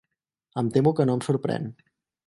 Em temo que no em sorprèn.